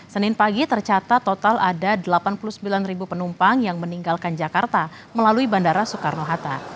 senin pagi tercatat total ada delapan puluh sembilan penumpang yang meninggalkan jakarta melalui bandara soekarno hatta